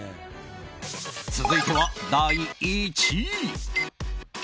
続いては第１位。